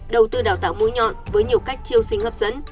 đầu tư đào tạo mối nhọn với nhiều cách chiêu sinh hấp dẫn